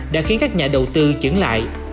đã khiến các nhà đầu tư chứng lại